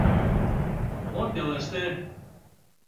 Мом пелештем?..